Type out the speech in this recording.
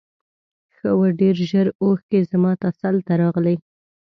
ښه و ډېر ژر اوښکې زما تسل ته راغلې.